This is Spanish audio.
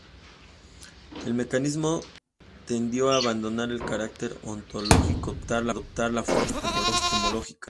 El mecanicismo tendió a abandonar el carácter ontológico para adoptar la forma epistemológica.